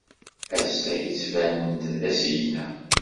Ass-a, yettban-d d asigna.